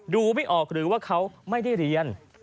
ดูไม่ออกหรือว่าเขาไม่ได้เรียน